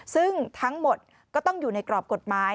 ซึ่งทั้งหมดก็ต้องอยู่ในกรอบกฎหมาย